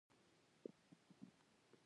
لاک هالېنډ ته د وېرې له امله تښتېد.